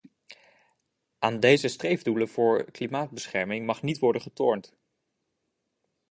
Aan deze streefdoelen voor klimaatbescherming mag niet worden getornd.